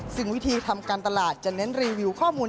ซึ่งวิธีทำการตลาดจะเน้นรีวิวข้อมูล